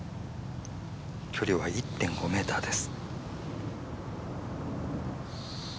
距離は１．５ｍです。